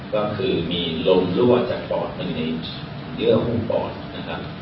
ก็คือมีลมรั่วจากปอดไปในเยื่อหุ้มปอดนะครับ